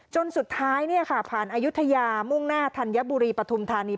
จนสุดท้ายผ่านอายุทยามุ่งหน้าธัญบุรีปฐุมธานี